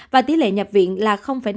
và tỷ lệ nhập viện là năm